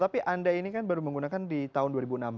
tapi anda ini kan baru menggunakan di tahun dua ribu enam belas